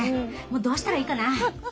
もうどうしたらいいかな？